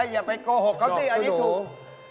อย่าไปโกหกเขาสิอันนี้ถูก